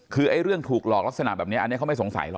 คือเรื่องถูกหลอกลักษณะแบบนี้อันนี้เขาไม่สงสัยหรอ